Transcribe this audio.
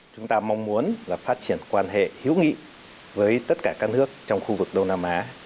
chúng ta mong muốn là phát triển quan hệ hữu nghị với tất cả các nước trong khu vực đông nam á